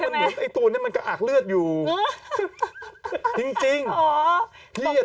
มันเหมือนไอ้ตัวเนี้ยมันกระอักเลือดอยู่จริงอ๋อพี่อ่ะตกใจเลย